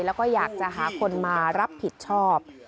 แล้วก็อยากจะหาคนมารับผิดชอบ